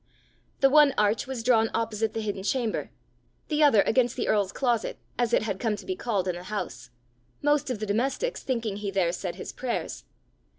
The one arch was drawn opposite the hidden chamber; the other against the earl's closet, as it had come to be called in the house most of the domestics thinking he there said his prayers.